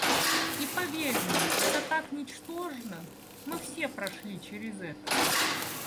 И поверь мне, это так ничтожно... Мы все прошли через это.